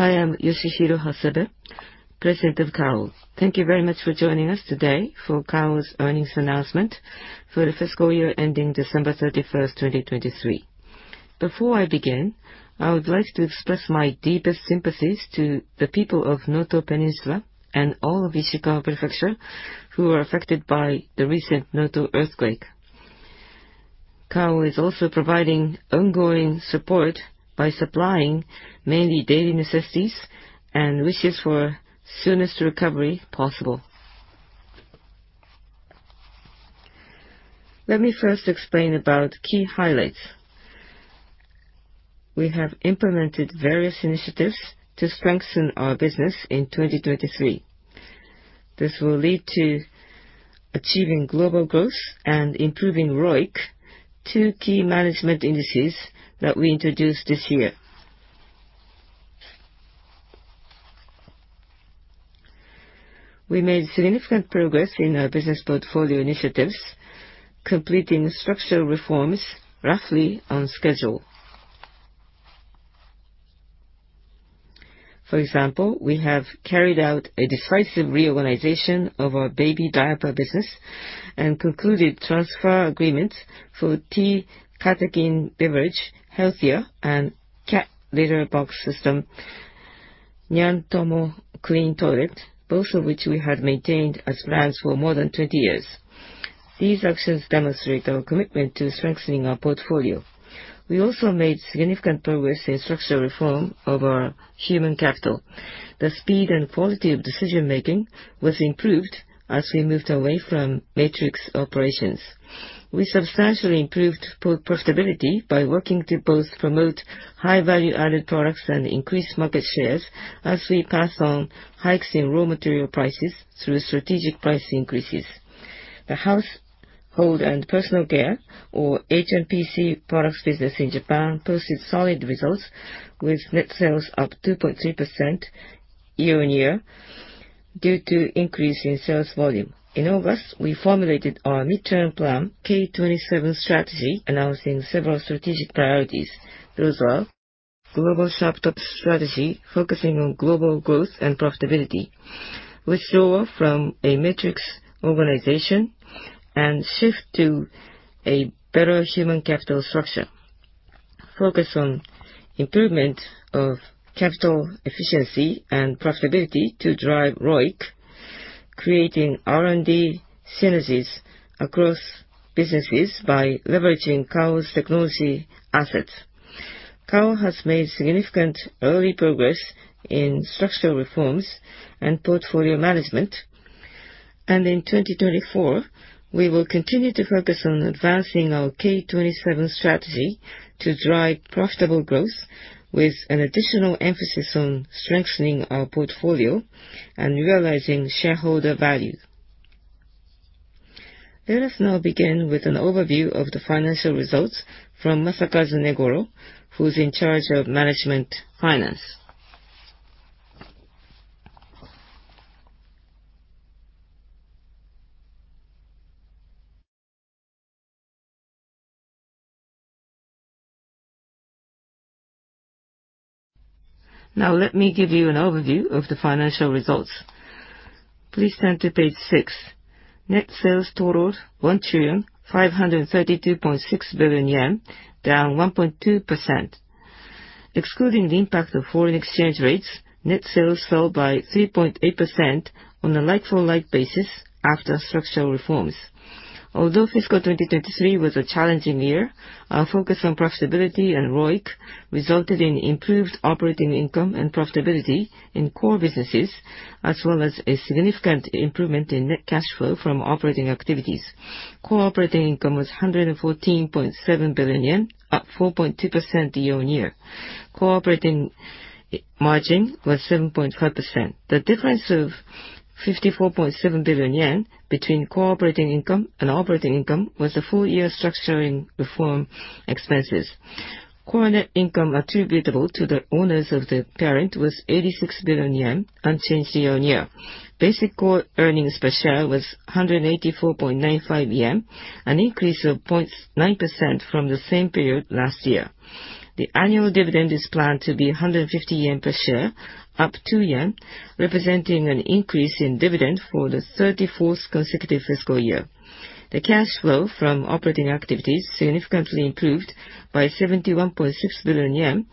I am Yoshihiro Hasebe, President of Kao. Thank you very much for joining us today for Kao's earnings announcement for the fiscal year ending December 31st, 2023. Before I begin, I would like to express my deepest sympathies to the people of Noto Peninsula and all of Ishikawa Prefecture who were affected by the recent Noto earthquake. Kao is also providing ongoing support by supplying mainly daily necessities, and wishes for soonest recovery possible. Let me first explain about key highlights. We have implemented various initiatives to strengthen our business in 2023. This will lead to achieving global growth and improving ROIC, two key management indices that we introduced this year. We made significant progress in our business portfolio initiatives, completing structural reforms roughly on schedule. For example, we have carried out a decisive reorganization of our baby diaper business and concluded transfer agreements for tea catechin beverage, Healthya, and cat litter box system, Nyantomo Clean Toilet, both of which we had maintained as brands for more than 20 years. These actions demonstrate our commitment to strengthening our portfolio. We also made significant progress in structural reform over human capital. The speed and quality of decision-making was improved as we moved away from matrix operations. We substantially improved profitability by working to both promote high value-added products and increase market shares as we pass on hikes in raw material prices through strategic price increases. The Household and Personal Care, or H&PC products business in Japan posted solid results, with net sales up 2.3% year-on-year due to increase in sales volume. In August, we formulated our Mid-term Plan, K27 Strategy, announcing several strategic priorities. Those are Global Top Strategy focusing on global growth and profitability. Withdraw from a matrix organization and shift to a better human capital structure. Focus on improvement of capital efficiency and profitability to drive ROIC, creating R&D synergies across businesses by leveraging Kao's technology assets. Kao has made significant early progress in structural reforms and portfolio management. In 2024, we will continue to focus on advancing our K27 Strategy to drive profitable growth with an additional emphasis on strengthening our portfolio and realizing shareholder value. Let us now begin with an overview of the financial results from Masakazu Negoro, who's in charge of Management Finance. Let me give you an overview of the financial results. Please turn to page six. Net sales totaled 1,532.6 billion yen, down 1.2%. Excluding the impact of foreign exchange rates, net sales fell by 3.8% on a like-for-like basis after structural reforms. Although fiscal 2023 was a challenging year, our focus on profitability and ROIC resulted in improved operating income and profitability in core businesses, as well as a significant improvement in net cash flow from operating activities. Core operating income was 114.7 billion yen, up 4.2% year-on-year. Core operating margin was 7.5%. The difference of 54.7 billion yen between core operating income and operating income was the full year structuring reform expenses. Core net income attributable to the owners of the parent was 86 billion yen, unchanged year-on-year. Basic core earnings per share was 184.95 yen, an increase of 0.9% from the same period last year. The annual dividend is planned to be 150 yen per share, up 2 yen, representing an increase in dividend for the 34th consecutive fiscal year. The cash flow from operating activities significantly improved by 71.6 billion yen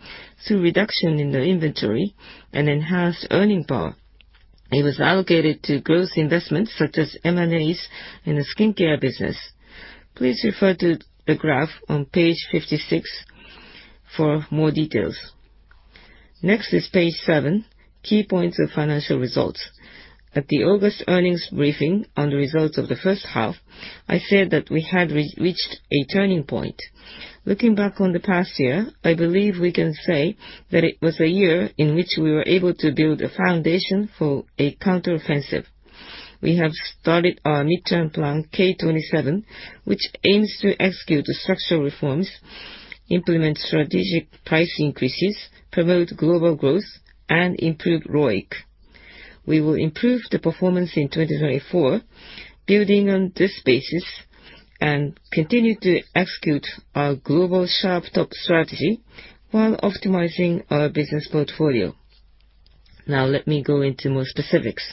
through reduction in the inventory and enhanced earning power. It was allocated to growth investments such as M&As in the skincare business. Please refer to the graph on page 56 for more details. Next is page seven, Key Points of Financial Results. At the August earnings briefing on the results of the first half, I said that we had reached a turning point. Looking back on the past year, I believe we can say that it was a year in which we were able to build a foundation for a counteroffensive. We have started our midterm plan, K27, which aims to execute structural reforms, implement strategic price increases, promote global growth, and improve ROIC. We will improve the performance in 2024, building on this basis, and continue to execute our Global Sharp Top strategy while optimizing our business portfolio. Now, let me go into more specifics.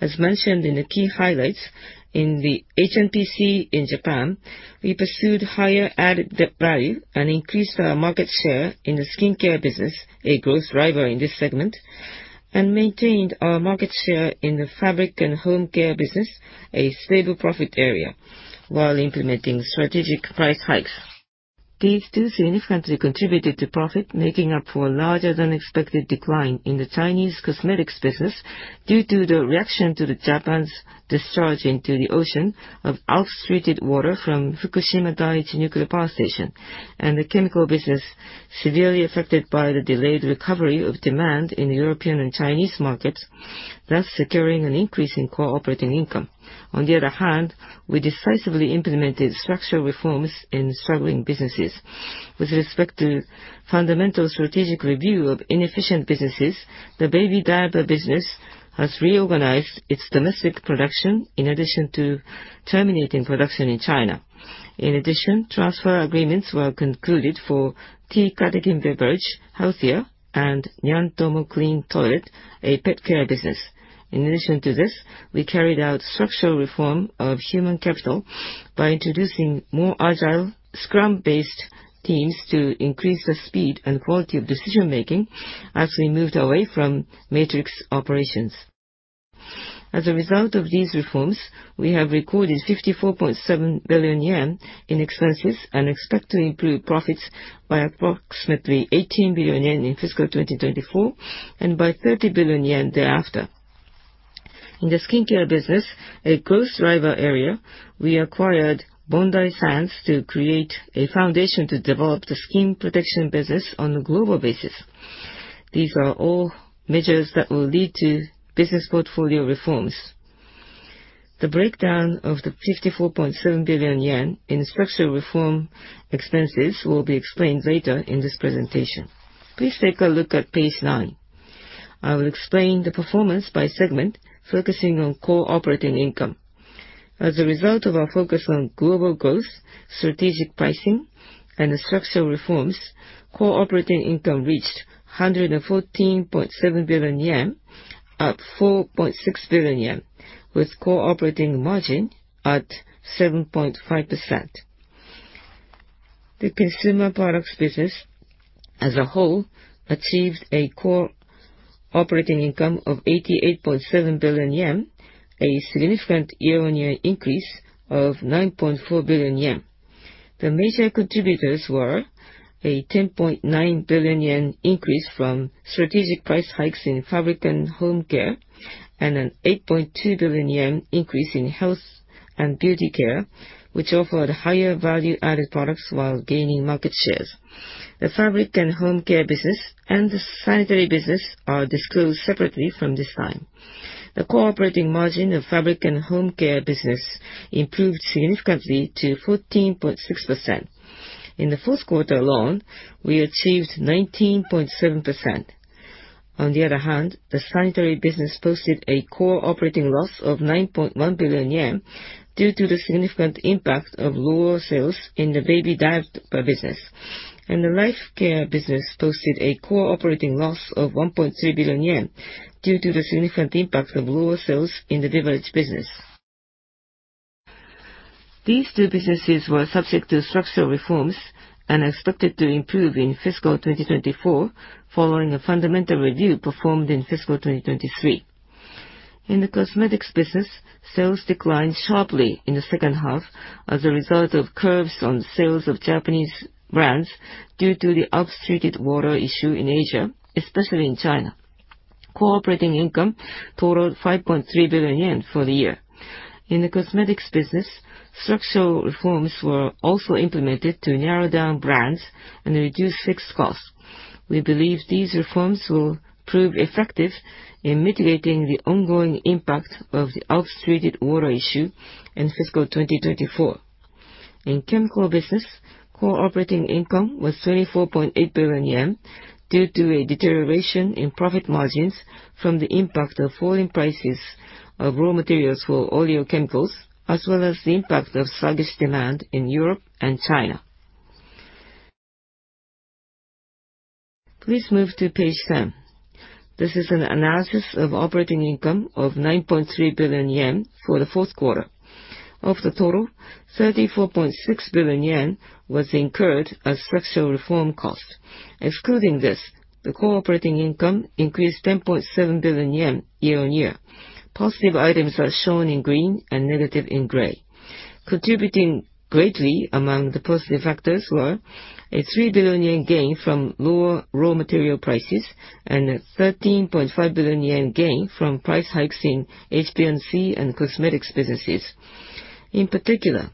As mentioned in the key highlights, in the H&PC in Japan, we pursued higher added value and increased our market share in the skincare business, a growth driver in this segment, and maintained our market share in the Fabric and Home Care business, a stable profit area, while implementing strategic price hikes. These two significantly contributed to profit, making up for larger than expected decline in the Chinese cosmetics business due to the reaction to the Japan's discharge into the ocean of untreated water from Fukushima Daiichi Nuclear Power Station, and the chemical business severely affected by the delayed recovery of demand in European and Chinese markets, thus securing an increase in core operating income. On the other hand, we decisively implemented structural reforms in struggling businesses. With respect to fundamental strategic review of inefficient businesses, the baby diaper business has reorganized its domestic production in addition to terminating production in China. In addition, transfer agreements were concluded for tea catechin beverage, Healthya, and Nyantomo Clean Toilet, a pet care business. In addition to this, we carried out structural reform of human capital by introducing more agile scrum-based teams to increase the speed and quality of decision-making as we moved away from matrix operations. As a result of these reforms, we have recorded 54.7 billion yen in expenses and expect to improve profits by approximately 18 billion yen in fiscal 2024, and by 30 billion yen thereafter. In the skincare business, a growth driver area, we acquired Bondi Sands to create a foundation to develop the skin protection business on a global basis. These are all measures that will lead to business portfolio reforms. The breakdown of the 54.7 billion yen in structural reform expenses will be explained later in this presentation. Please take a look at page nine. I will explain the performance by segment focusing on core operating income. As a result of our focus on global growth, strategic pricing, and structural reforms, core operating income reached 114.7 billion yen, up 4.6 billion yen, with core operating margin at 7.5%. The consumer products business as a whole achieved a core operating income of 88.7 billion yen, a significant year-on-year increase of 9.4 billion yen. The major contributors were a 10.9 billion yen increase from strategic price hikes in Fabric and Home Care, and a 8.2 billion yen increase in Health and Beauty Care, which offered higher value-added products while gaining market shares. The Fabric and Home Care business and the sanitary business are disclosed separately from this time. The core operating margin of Fabric and Home Care business improved significantly to 14.6%. In the fourth quarter alone, we achieved 19.7%. The sanitary business posted a core operating loss of 9.1 billion yen due to the significant impact of lower sales in the baby diaper business. The Life Care business posted a core operating loss of 1.3 billion yen due to the significant impact of lower sales in the beverage business. These two businesses were subject to structural reforms and are expected to improve in FY 2024 following a fundamental review performed in FY 2023. In the cosmetics business, sales declined sharply in the second half as a result of curbs on sales of Japanese brands due to the untreated water issue in Asia, especially in China. Core operating income totaled 5.3 billion yen for the year. In the cosmetics business, structural reforms were also implemented to narrow down brands and reduce fixed costs. We believe these reforms will prove effective in mitigating the ongoing impact of the untreated water issue in FY 2024. In chemical business, core operating income was 24.8 billion yen due to a deterioration in profit margins from the impact of falling prices of raw materials for oleochemicals, as well as the impact of sluggish demand in Europe and China. Please move to page 10. This is an analysis of operating income of 9.3 billion yen for the fourth quarter. Of the total, 34.6 billion yen was incurred as structural reform cost. Excluding this, the core operating income increased 10.7 billion yen year-on-year. Positive items are shown in green and negative in gray. Contributing greatly among the positive factors were a 3 billion yen gain from lower raw material prices and a 13.5 billion yen gain from price hikes in H&PC and cosmetics businesses. In particular,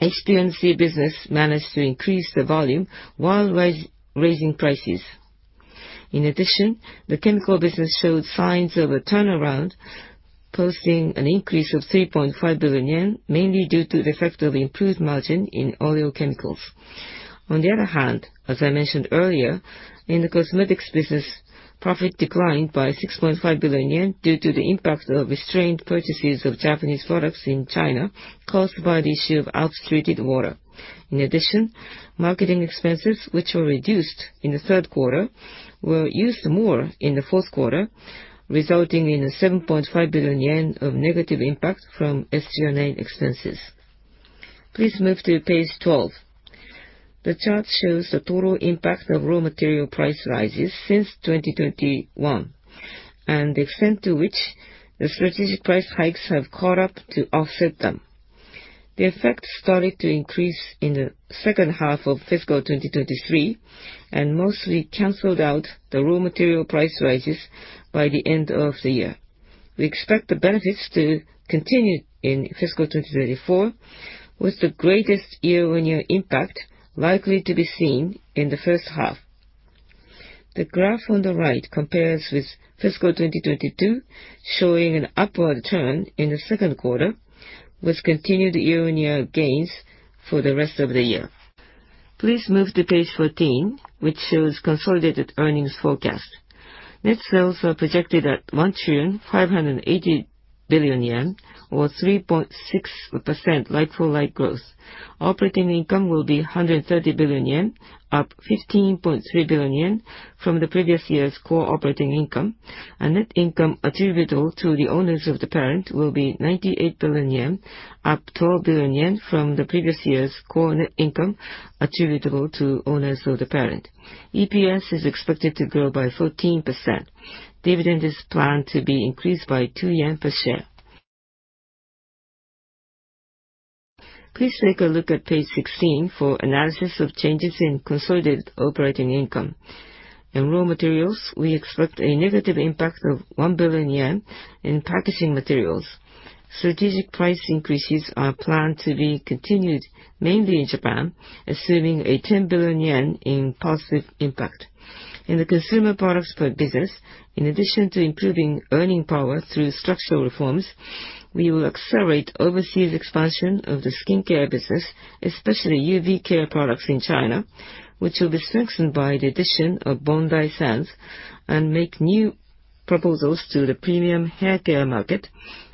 H&PC business managed to increase the volume while raising prices. In addition, the chemical business showed signs of a turnaround posting an increase of 3.5 billion yen, mainly due to the effect of improved margin in oleochemicals. On the other hand, as I mentioned earlier, in the cosmetics business, profit declined by 6.5 billion yen due to the impact of restrained purchases of Japanese products in China caused by the issue of untreated water. In addition, marketing expenses, which were reduced in the third quarter, were used more in the fourth quarter, resulting in 7.5 billion yen of negative impact from SG&A expenses. Please move to page 12. The chart shows the total impact of raw material price rises since 2021 and the extent to which the strategic price hikes have caught up to offset them. The effect started to increase in the second half of FY 2023 and mostly canceled out the raw material price rises by the end of the year. We expect the benefits to continue in FY 2024, with the greatest year-on-year impact likely to be seen in the first half. The graph on the right compares with FY 2022, showing an upward turn in the second quarter, with continued year-on-year gains for the rest of the year. Please move to page 14, which shows consolidated earnings forecast. Net sales are projected at 1,580 billion yen, or 3.6% like-for-like growth. Operating income will be 130 billion yen, up 15.3 billion yen from the previous year's core operating income. Net income attributable to the owners of the parent will be 98 billion yen, up 12 billion yen from the previous year's core net income attributable to owners of the parent. EPS is expected to grow by 14%. Dividend is planned to be increased by 2 yen per share. Please take a look at page 16 for analysis of changes in consolidated operating income. In raw materials, we expect a negative impact of 1 billion yen in packaging materials. Strategic price increases are planned to be continued mainly in Japan, assuming a 10 billion yen in positive impact. In the consumer products business, in addition to improving earning power through structural reforms, we will accelerate overseas expansion of the skincare business, especially UV care products in China, which will be strengthened by the addition of Bondi Sands, and make new proposals to the premium haircare market,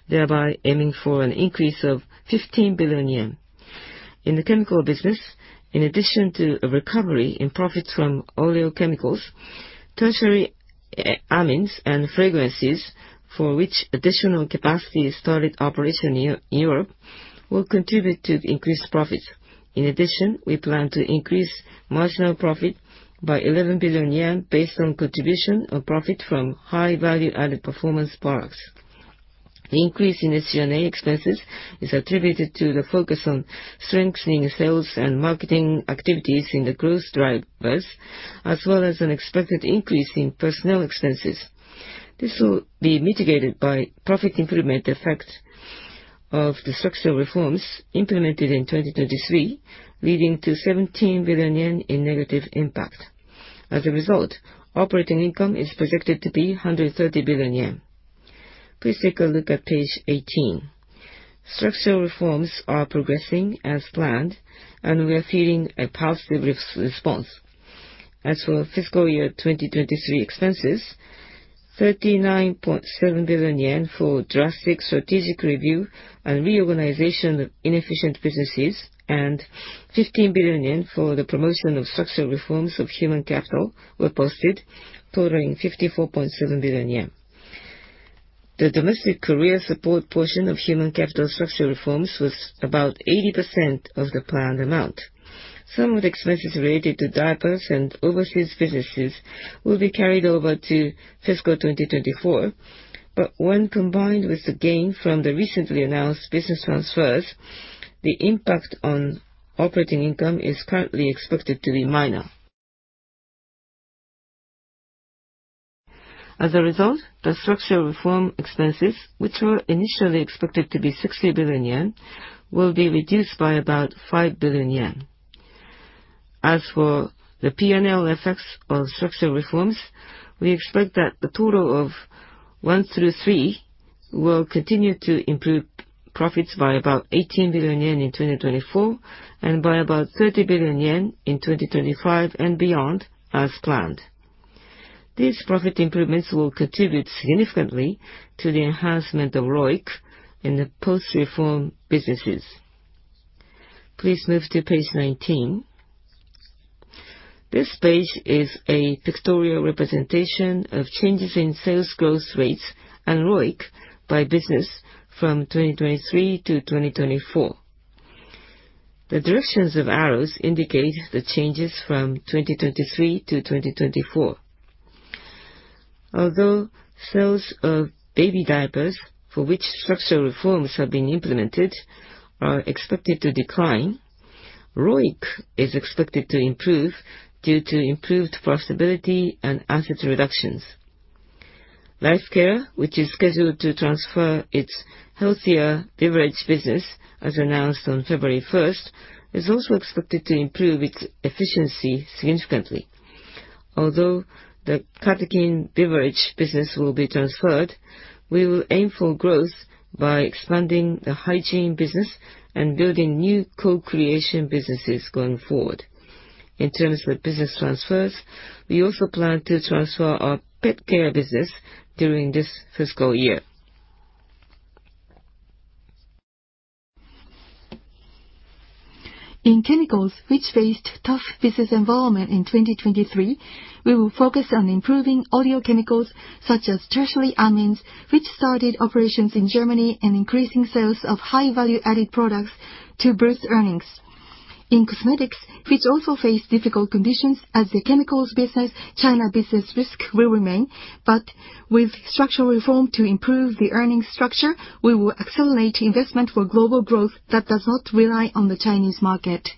thereby aiming for an increase of 15 billion yen. In the chemical business, in addition to a recovery in profits from oleochemicals, tertiary amines and fragrances for which additional capacity started operation in Europe will contribute to increased profits. In addition, we plan to increase marginal profit by 11 billion yen, based on contribution of profit from high value-added performance products. The increase in SG&A expenses is attributed to the focus on strengthening sales and marketing activities in the growth drivers, as well as an expected increase in personnel expenses. This will be mitigated by profit improvement effect of the structural reforms implemented in 2023, leading to 17 billion yen in negative impact. As a result, operating income is projected to be 130 billion yen. Please take a look at page 18. Structural reforms are progressing as planned, and we are seeing a positive response. As for fiscal year 2023 expenses, 39.7 billion yen for drastic strategic review and reorganization of inefficient businesses, and 15 billion yen for the promotion of structural reforms of human capital were posted, totaling 54.7 billion yen. The domestic career support portion of human capital structural reforms was about 80% of the planned amount. Some of the expenses related to diapers and overseas businesses will be carried over to FY 2024. When combined with the gain from the recently announced business transfers, the impact on operating income is currently expected to be minor. As a result, the structural reform expenses, which were initially expected to be 60 billion yen, will be reduced by about 5 billion yen. As for the P&L effects of structural reforms, we expect that the total of one through three will continue to improve profits by about 18 billion yen in 2024 and by about 30 billion yen in 2025 and beyond, as planned. These profit improvements will contribute significantly to the enhancement of ROIC in the post-reform businesses. Please move to page 19. This page is a pictorial representation of changes in sales growth rates and ROIC by business from 2023 to 2024. The directions of arrows indicate the changes from 2023 to 2024. Although sales of baby diapers for which structural reforms have been implemented are expected to decline, ROIC is expected to improve due to improved profitability and assets reductions. Life Care, which is scheduled to transfer its Healthya beverage business, as announced on February 1st, is also expected to improve its efficiency significantly. Although the catechin beverage business will be transferred, we will aim for growth by expanding the hygiene business and building new co-creation businesses going forward. In terms of business transfers, we also plan to transfer our pet care business during this fiscal year. In Chemicals, which faced tough business environment in 2023, we will focus on improving oleochemicals such as tertiary amines, which started operations in Germany, and increasing sales of high value-added products to boost earnings. In Cosmetics, which also face difficult conditions as the Chemicals business, China business risk will remain, but with structural reform to improve the earnings structure, we will accelerate investment for global growth that does not rely on the Chinese market.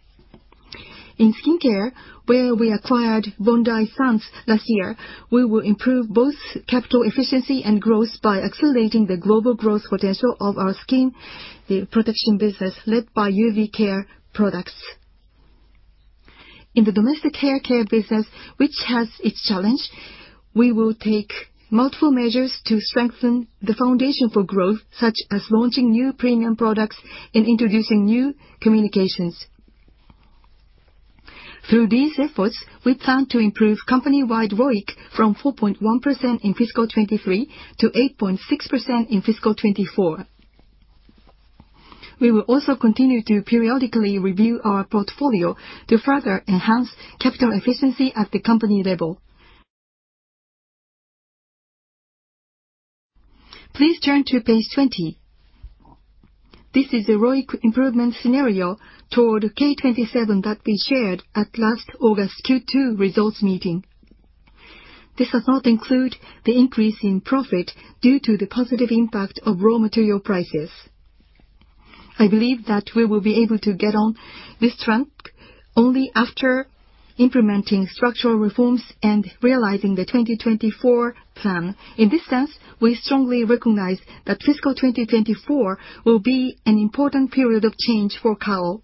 In Skincare, where we acquired Bondi Sands last year, we will improve both capital efficiency and growth by accelerating the global growth potential of our skin protection business led by UV care products. In the domestic hair care business, which has its challenge, we will take multiple measures to strengthen the foundation for growth, such as launching new premium products and introducing new communications. Through these efforts, we plan to improve company-wide ROIC from 4.1% in fiscal 2023 to 8.6% in fiscal 2024. We will also continue to periodically review our portfolio to further enhance capital efficiency at the company level. Please turn to page 20. This is the ROIC improvement scenario toward K27 that we shared at last August's Q2 results meeting. This does not include the increase in profit due to the positive impact of raw material prices. I believe that we will be able to get on this trend only after implementing structural reforms and realizing the 2024 plan. In this sense, we strongly recognize that fiscal 2024 will be an important period of change for Kao.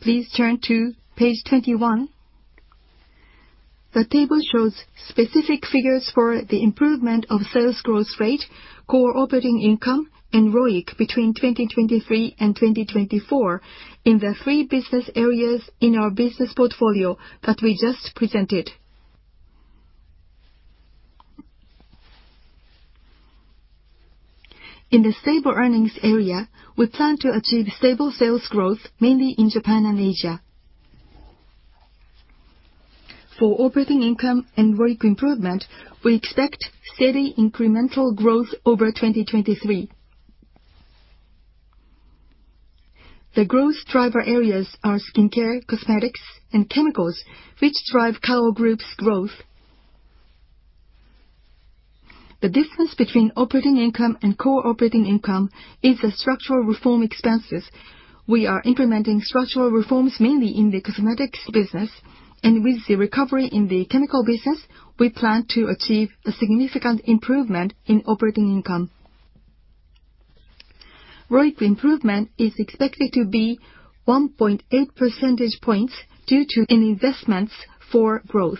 Please turn to page 21. The table shows specific figures for the improvement of sales growth rate, core operating income, and ROIC between 2023 and 2024 in the three business areas in our business portfolio that we just presented. In the stable earnings area, we plan to achieve stable sales growth, mainly in Japan and Asia. For operating income and ROIC improvement, we expect steady incremental growth over 2023. The growth driver areas are Skincare, Cosmetics, and Chemicals, which drive Kao Group's growth. The difference between operating income and core operating income is the structural reform expenses. We are implementing structural reforms mainly in the Cosmetics business, and with the recovery in the Chemicals business, we plan to achieve a significant improvement in operating income. ROIC improvement is expected to be 1.8 percentage points due to investments for growth.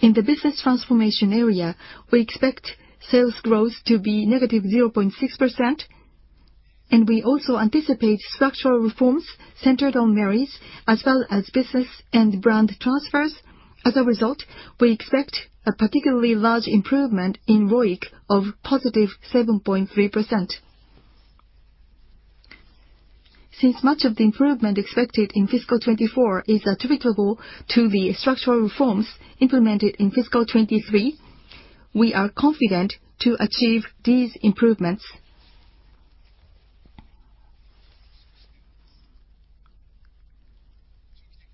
In the business transformation area, we expect sales growth to be -0.6%, and we also anticipate structural reforms centered on Merries, as well as business and brand transfers. As a result, we expect a particularly large improvement in ROIC of +7.3%. Since much of the improvement expected in FY 2024 is attributable to the structural reforms implemented in FY 2023, we are confident to achieve these improvements.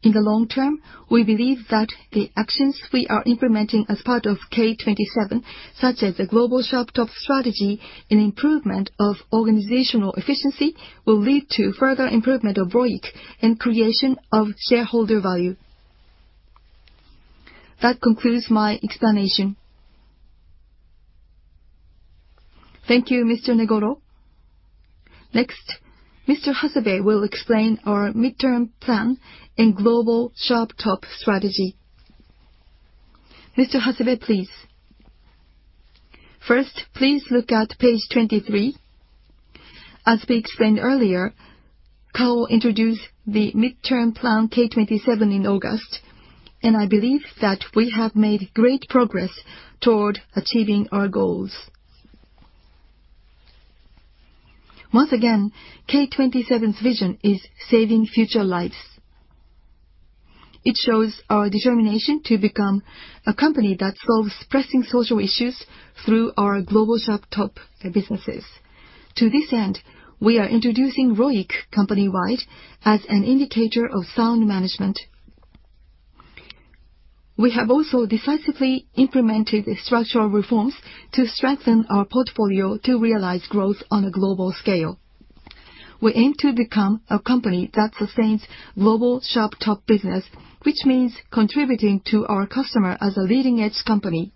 In the long term, we believe that the actions we are implementing as part of K27, such as the Global Sharp Top strategy and improvement of organizational efficiency, will lead to further improvement of ROIC and creation of shareholder value. That concludes my explanation. Thank you, Mr. Negoro. Next, Mr. Hasebe will explain our midterm plan and Global Sharp Top strategy. Mr. Hasebe, please. First, please look at page 23. As we explained earlier, Kao introduced the Mid-term Plan K27 in August, and I believe that we have made great progress toward achieving our goals. Once again, K27's vision is Protecting Future Lives. It shows our determination to become a company that solves pressing social issues through our Global Sharp Top businesses. To this end, we are introducing ROIC company-wide as an indicator of sound management. We have also decisively implemented structural reforms to strengthen our portfolio to realize growth on a global scale. We aim to become a company that sustains Global Sharp Top business, which means contributing to our customer as a leading edge company.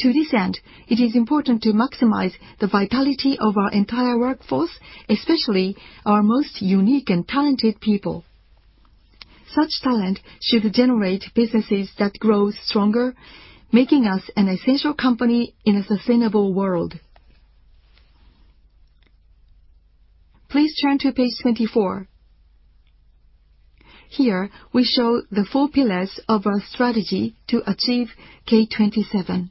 To this end, it is important to maximize the vitality of our entire workforce, especially our most unique and talented people. Such talent should generate businesses that grow stronger, making us an essential company in a sustainable world. Please turn to page 24. Here, we show the four pillars of our strategy to achieve K27.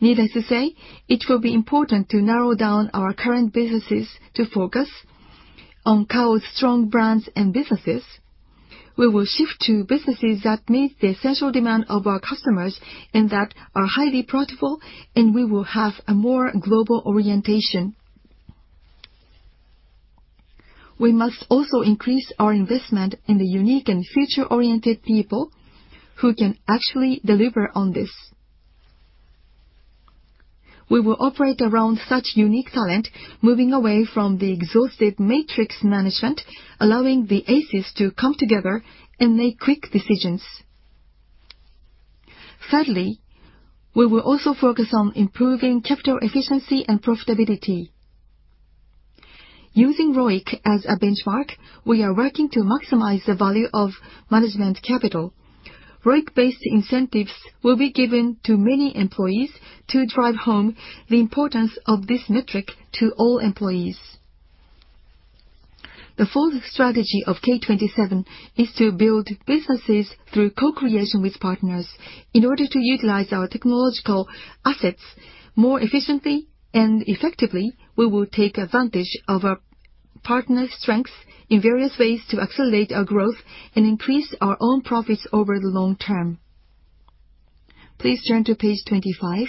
Needless to say, it will be important to narrow down our current businesses to focus on Kao's strong brands and businesses. We will shift to businesses that meet the essential demand of our customers and that are highly profitable, and we will have a more global orientation. We must also increase our investment in the unique and future-oriented people who can actually deliver on this. We will operate around such unique talent, moving away from the exhausted matrix management, allowing the aces to come together and make quick decisions. Thirdly, we will also focus on improving capital efficiency and profitability. Using ROIC as a benchmark, we are working to maximize the value of management capital. ROIC-based incentives will be given to many employees to drive home the importance of this metric to all employees. The fourth strategy of K27 is to build businesses through co-creation with partners. In order to utilize our technological assets more efficiently and effectively, we will take advantage of our partners' strengths in various ways to accelerate our growth and increase our own profits over the long term. Please turn to page 25.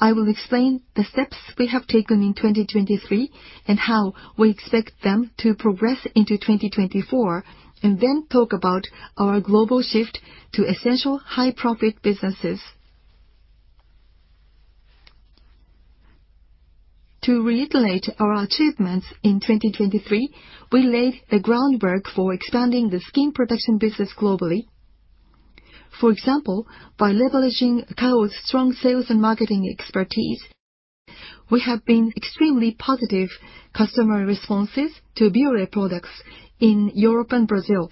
I will explain the steps we have taken in 2023 and how we expect them to progress into 2024, then talk about our global shift to essential high-profit businesses. To reiterate our achievements in 2023, we laid the groundwork for expanding the skin protection business globally. For example, by leveraging Kao's strong sales and marketing expertise, we have been extremely positive customer responses to Bioré products in Europe and Brazil.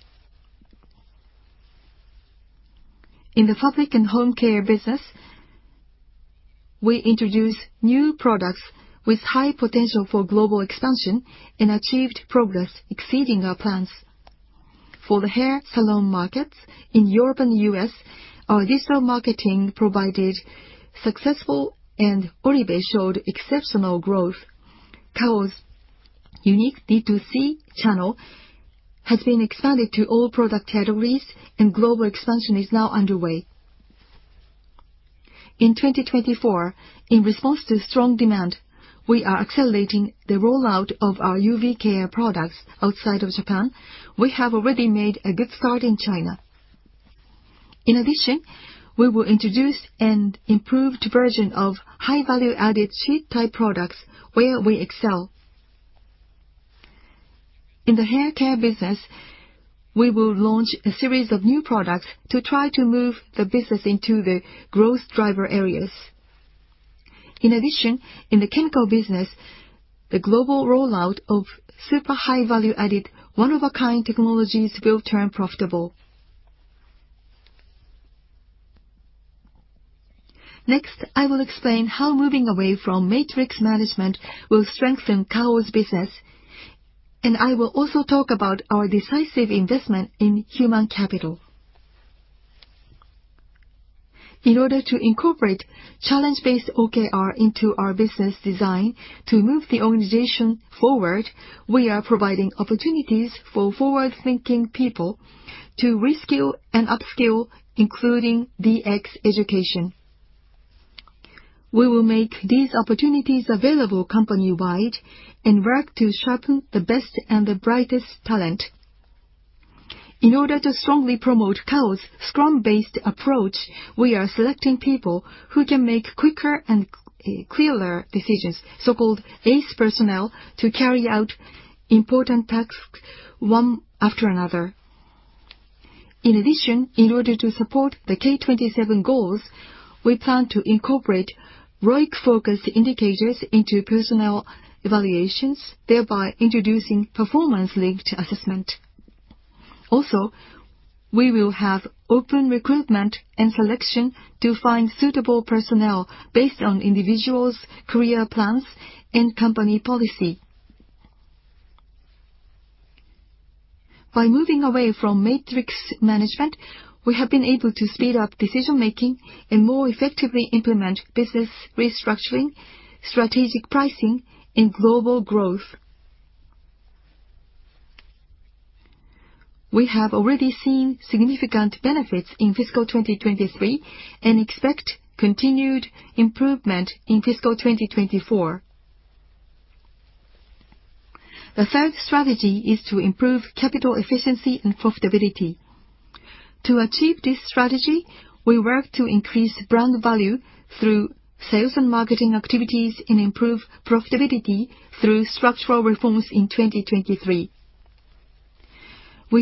In the Fabric and Home Care business, we introduced new products with high potential for global expansion and achieved progress exceeding our plans. For the hair salon markets in Europe and U.S., our digital marketing provided successful, and Oribe showed exceptional growth. Kao's unique D2C channel has been expanded to all product categories, and global expansion is now underway. In 2024, in response to strong demand, we are accelerating the rollout of our UV care products outside of Japan. We have already made a good start in China. We will introduce an improved version of high-value added sheet-type products where we excel. In the hair care business, we will launch a series of new products to try to move the business into the growth driver areas. In the chemical business, the global rollout of super high-value added, one-of-a-kind technologies will turn profitable. Next, I will explain how moving away from matrix management will strengthen Kao's business, and I will also talk about our decisive investment in human capital. In order to incorporate challenge-based OKR into our business design to move the organization forward, we are providing opportunities for forward-thinking people to reskill and upskill, including DX education. We will make these opportunities available company-wide and work to sharpen the best and the brightest talent. In order to strongly promote Kao's scrum-based approach, we are selecting people who can make quicker and clearer decisions, so-called ace personnel, to carry out important tasks one after another. In order to support the K27 goals, we plan to incorporate ROIC-focused indicators into personnel evaluations, thereby introducing performance-linked assessment. We will have open recruitment and selection to find suitable personnel based on individuals' career plans and company policy. By moving away from matrix management, we have been able to speed up decision-making and more effectively implement business restructuring, strategic pricing, and global growth. We have already seen significant benefits in fiscal 2023 and expect continued improvement in fiscal 2024. The third strategy is to improve capital efficiency and profitability. To achieve this strategy, we work to increase brand value through sales and marketing activities, and improve profitability through structural reforms in 2023. We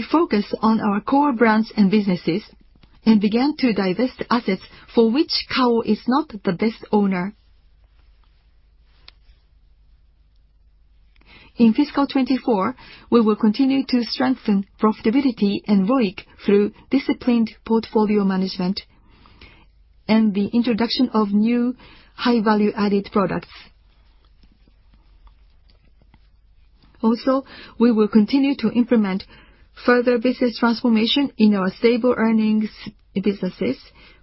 focus on our core brands and businesses and began to divest assets for which Kao is not the best owner. In fiscal 2024, we will continue to strengthen profitability and ROIC through disciplined portfolio management and the introduction of new high value-added products. We will continue to implement further business transformation in our stable earnings businesses,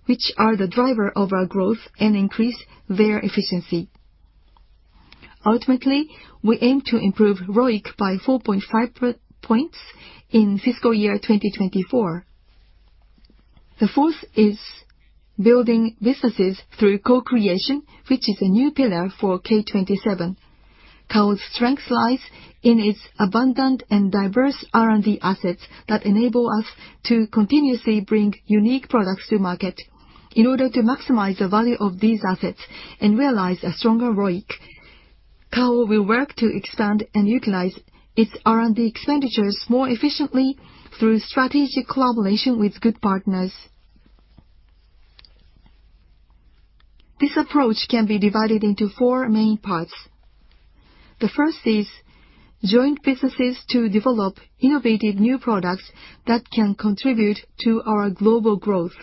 which are the driver of our growth, and increase their efficiency. Ultimately, we aim to improve ROIC by 4.5 points in fiscal year 2024. The fourth is building businesses through co-creation, which is a new pillar for K27. Kao's strength lies in its abundant and diverse R&D assets that enable us to continuously bring unique products to market. In order to maximize the value of these assets and realize a stronger ROIC, Kao will work to expand and utilize its R&D expenditures more efficiently through strategic collaboration with good partners. This approach can be divided into four main parts. The first is joint businesses to develop innovative new products that can contribute to our global growth.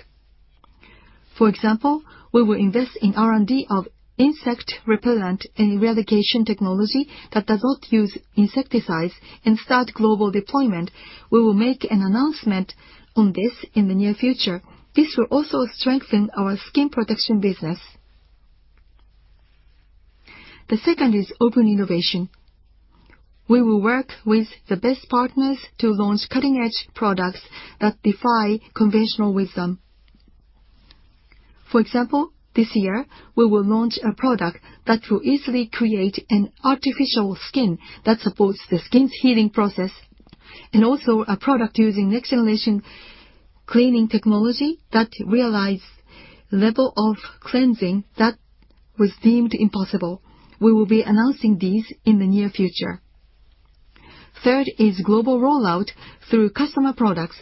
For example, we will invest in R&D of insect repellent and eradication technology that does not use insecticides and start global deployment. We will make an announcement on this in the near future. This will also strengthen our skin protection business. The second is open innovation. We will work with the best partners to launch cutting-edge products that defy conventional wisdom. For example, this year we will launch a product that will easily create an artificial skin that supports the skin's healing process. Also a product using next generation cleaning technology that realize level of cleansing that was deemed impossible. We will be announcing these in the near future. Third is global rollout through customer products,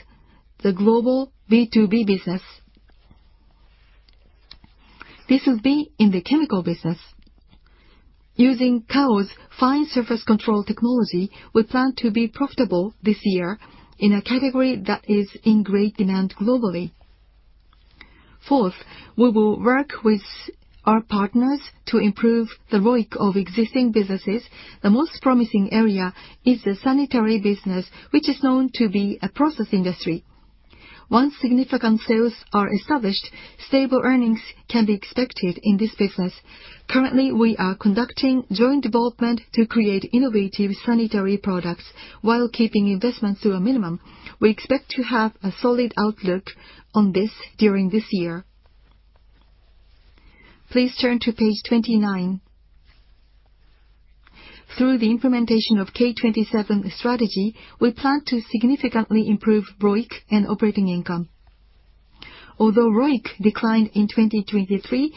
the global B2B business. This will be in the chemical business. Using Kao's fine surface control technology, we plan to be profitable this year in a category that is in great demand globally. Fourth, we will work with our partners to improve the ROIC of existing businesses. The most promising area is the sanitary business, which is known to be a process industry. Once significant sales are established, stable earnings can be expected in this business. Currently, we are conducting joint development to create innovative sanitary products while keeping investments to a minimum. We expect to have a solid outlook on this during this year. Please turn to page 29. Through the implementation of K27 strategy, we plan to significantly improve ROIC and operating income. Although ROIC declined in 2023,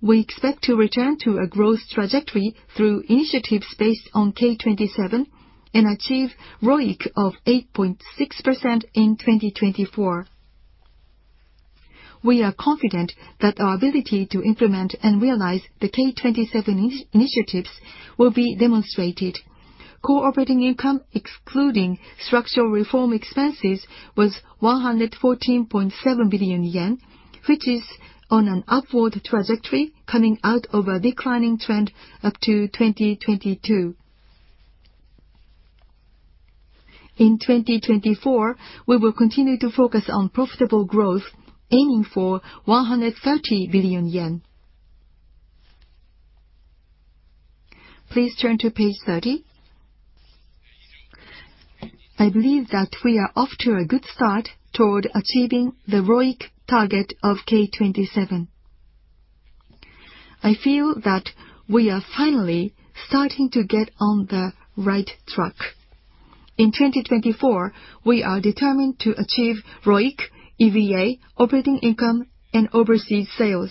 we expect to return to a growth trajectory through initiatives based on K27 and achieve ROIC of 8.6% in 2024. We are confident that our ability to implement and realize the K27 initiatives will be demonstrated. Core operating income, excluding structural reform expenses, was 114.7 billion yen, which is on an upward trajectory coming out of a declining trend up to 2022. In 2024, we will continue to focus on profitable growth, aiming for 130 billion yen. Please turn to page 30. I believe that we are off to a good start toward achieving the ROIC target of K27. I feel that we are finally starting to get on the right track. In 2024, we are determined to achieve ROIC, EVA, operating income, and overseas sales.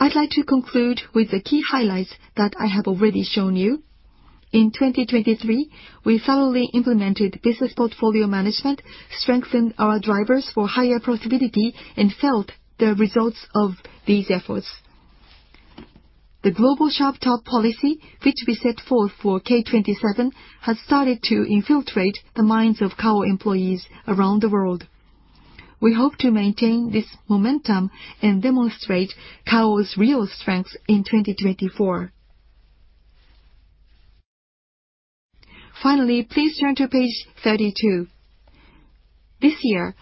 I'd like to conclude with the key highlights that I have already shown you. In 2023, we thoroughly implemented business portfolio management, strengthened our drivers for higher profitability, and felt the results of these efforts. The Global Sharp Top policy, which we set forth for K27, has started to infiltrate the minds of Kao employees around the world. We hope to maintain this momentum and demonstrate Kao's real strength in 2024. Finally, please turn to page 32. This year,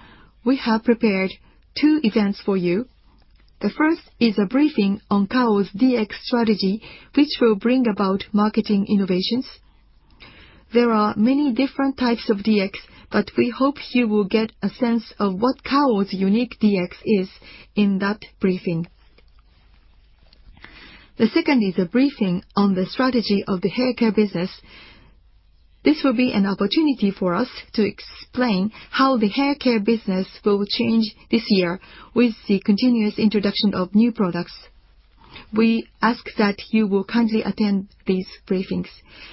we have prepared two events for you. The first is a briefing on Kao's DX strategy, which will bring about marketing innovations. There are many different types of DX, but we hope you will get a sense of what Kao's unique DX is in that briefing. The second is a briefing on the strategy of the hair care business. This will be an opportunity for us to explain how the hair care business will change this year with the continuous introduction of new products. We ask that you will kindly attend these briefings.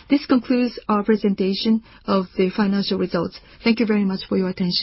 This concludes our presentation of the financial results. Thank you very much for your attention.